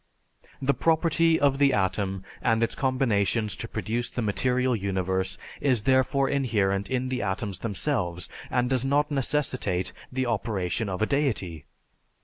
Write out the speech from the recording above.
The property of the atom and its combinations to produce the material universe is therefore inherent in the atoms themselves and does not necessitate the operation of a deity.